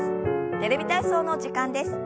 「テレビ体操」の時間です。